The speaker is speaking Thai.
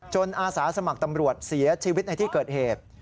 อาสาสมัครตำรวจเสียชีวิตในที่เกิดเหตุ